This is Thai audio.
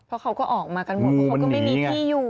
เพราะเขาก็ออกมากันหมดเพราะมูมันหนีอยู่